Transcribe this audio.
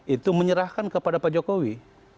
itu menyerahkan kepada pak jokowi